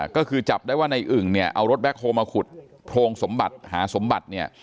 ก็คือจับได้ว่าในอึ่งเนี่ยเอารถแบ็คโฮลมาขุดโพรงสมบัติหาสมบัติเนี่ย